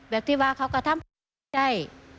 แบบที่ว่าเขาก็ทำได้